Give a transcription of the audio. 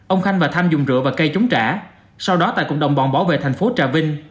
ông khanh và tham dùng rượu và cây chống trả sau đó tài cùng đồng bọn bảo vệ thành phố trà vinh